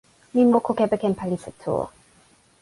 mi moku kepeken palisa tu.